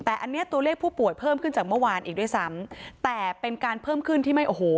แต่อันนี้ตัวเลขผู้ป่วยเพิ่มขึ้นจากเมื่อวานอีกด้วยซ้ำแต่เป็นการเพิ่มขึ้นที่ไม่โอ้โห